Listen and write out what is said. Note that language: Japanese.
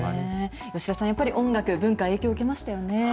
吉田さん、やっぱり音楽、文化、影響を受けましたよね？